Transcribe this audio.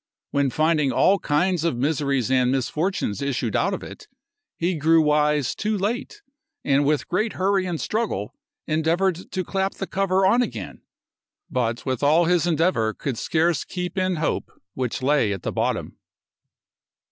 When finding all kinds of miseries and misfortunes issued out of it, he grew wise too late, and with great hurry and struggle endeavored to clap the cover on again; but with all his endeavor could scarce keep in Hope, which lay at the bottom.